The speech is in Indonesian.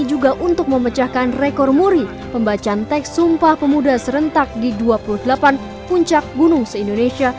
juga untuk memecahkan rekor muri pembacaan teks sumpah pemuda serentak di dua puluh delapan puncak gunung se indonesia